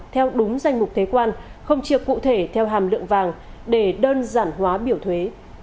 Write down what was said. theo đúng danh mục thuế quan không chia cụ thể theo hàm lượng vàng để đơn giản hóa biểu thuế